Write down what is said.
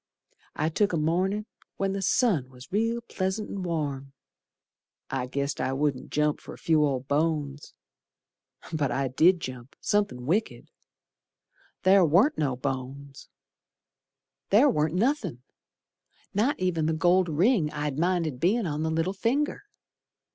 I took a mornin' when the sun was real pleasant and warm; I guessed I wouldn't jump for a few old bones. But I did jump, somethin' wicked. Ther warn't no bones! Ther warn't nothin'! Not ev'n the gold ring I'd minded bein' on the little finger.